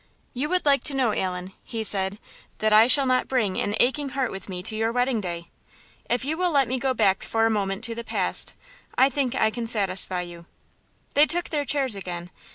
"You would like to know, Allan," he said, "that I shall not bring an aching heart with me to your wedding day? If you will let me go back for a moment to the past, I think I can satisfy you." They took their chairs again.